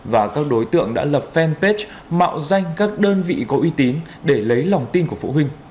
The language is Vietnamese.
và các đối tượng đã lập fanpage mạo danh các đơn vị có uy tín để lấy lòng tin của phụ huynh